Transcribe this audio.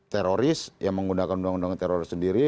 teroris yang menggunakan undang undang teror sendiri